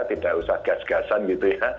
tidak usah gas gasan gitu ya